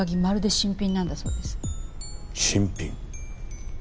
新品。